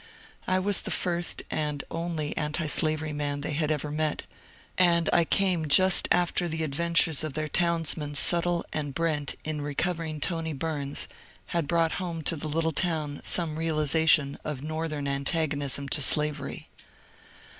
I was the first and only antislavery man they had ever met, and I came just after the adventures of their townsmen Sut tle and Brent in recovering Tony Bumd had brought home to the little town some realization of Northern antagonism to slavery.